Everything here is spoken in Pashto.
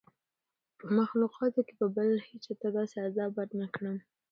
په مخلوقاتو کي به بل هېچا ته داسي عذاب ورنکړم